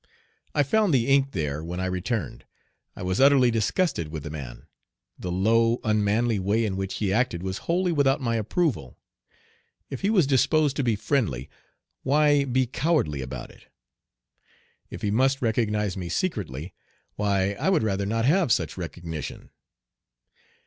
I found the ink there when I returned. I was utterly disgusted with the man. The low, unmanly way in which he acted was wholly without my approval. If he was disposed to be friendly, why be cowardly about it? If he must recognize me secretly, why, I would rather not have such recognition.